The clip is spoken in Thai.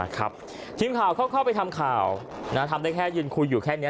ทีมข่าวเข้าไปทำข่าวทำได้แค่ยืนคุยอยู่แค่นี้